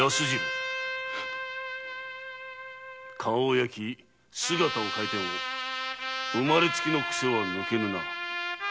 顔を焼き姿を変えても生まれつきの癖は抜けぬな。